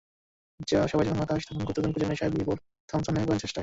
সবাই যখন হতাশ তখন গুপ্তধন খোঁজের নেশায় বিভোর থম্পসন নেমে পড়েন চেষ্টায়।